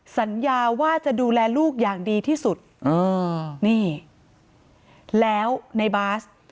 สัญญาว่าจะดูแลลูกอย่างดีที่สุดอ่านี่แล้วในบาส